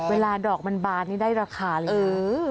เวลาดอกมันบานนี่ได้ราคาเลยนะ